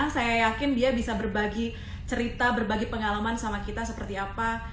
saya yakin dia bisa berbagi cerita berbagi pengalaman sama kita seperti apa